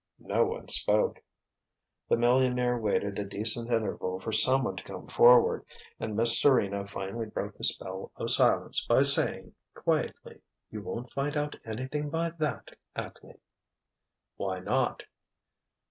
No one spoke. The millionaire waited a decent interval for someone to come forward, and Miss Serena finally broke the spell of silence by saying, quietly: "You won't find out anything by that, Atley." "Why not?"